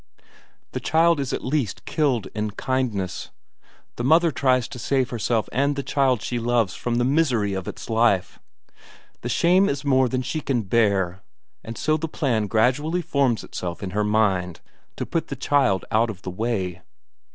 "The child is at least killed in kindness. The mother tries to save herself and the child she loves from the misery of its life. The shame is more than she can bear, and so the plan gradually forms itself in her mind, to put the child out of the way.